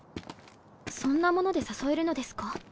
そんなもので誘えるのですか？